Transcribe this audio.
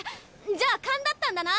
じゃあ勘だったんだな！